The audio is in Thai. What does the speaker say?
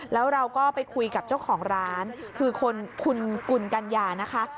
แล้วเราก็ไปคุยกับเจ้าของร้านคือคุณกุลกัญญานะคะ